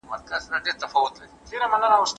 هغه وویل چي پښتون له خپلې ژبې سره مینه لري.